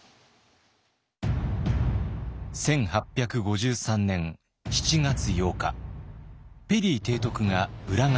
１８５３年７月８日ペリー提督が浦賀に来航。